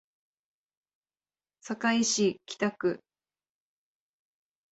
堺市北区